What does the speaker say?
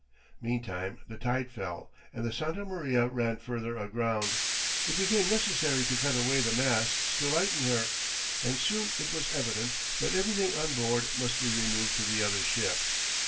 Meantime the tide fell, and the Santa Maria ran further aground; it became necessary to cut away the masts to lighten her, and soon it was evident that everything on board must be removed to the other ship.